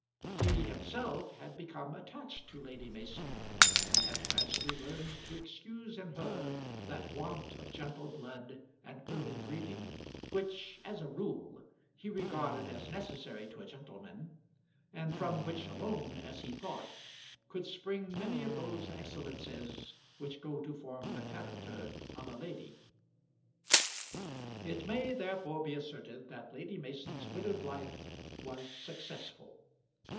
He himself had become attached to Lady Mason, and had gradually learned to excuse in her that want of gentle blood and early breeding which as a rule he regarded as necessary to a gentleman, and from which alone, as he thought, could spring many of those excellences which go to form the character of a lady. It may therefore be asserted that Lady Mason's widowed life was successful.